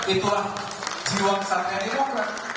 itulah jiwa masyarakat ikm